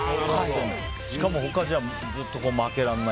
しかも、他ずっと負けられない。